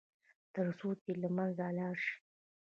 تر څو چې د منځه لاړ شي.